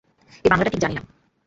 এর বাংলাটা ঠিক জানি না।